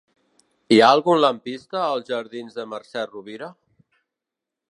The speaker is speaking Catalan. Hi ha algun lampista als jardins de Mercè Rovira?